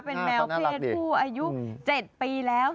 เป็นแมวเพศผู้อายุ๗ปีแล้ว